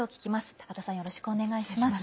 高田さん、よろしくお願いします。